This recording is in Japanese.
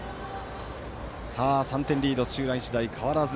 ３点リード、土浦日大、変わらず。